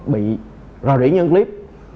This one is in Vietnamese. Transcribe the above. bị rò rỉ những clip